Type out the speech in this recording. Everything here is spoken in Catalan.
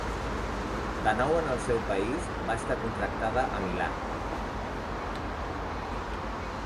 De nou en el seu país, va estar contractada a Milà.